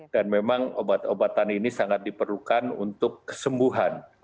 dan memang obat obatan ini sangat diperlukan untuk kesembuhan